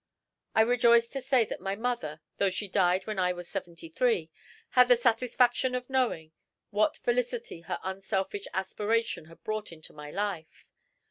I rejoice to say that my mother, though she died when I was seventy three, had the satisfaction of knowing what felicity her unselfish aspiration had brought into my life.